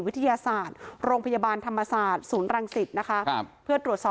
พ่อแม่มาเห็นสภาพศพของลูกร้องไห้กันครับขาดใจ